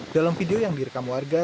dalam video yang direkam warga